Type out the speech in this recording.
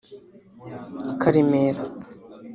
Karemera